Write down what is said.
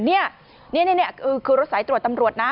นี่คือรถสายตรวจตำรวจนะ